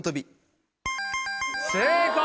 正解！